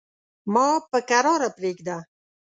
ما په کراره پرېږده.